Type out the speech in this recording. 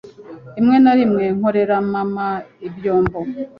Rimwe na rimwe nkorera mama ibyombo.